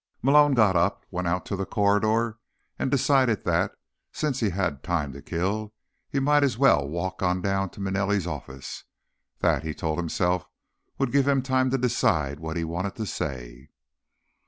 Malone got up, went out to the corridor, and decided that, since he had time to kill, he might as well walk on down to Manelli's office. That, he told himself, would give him time to decide what he wanted to say.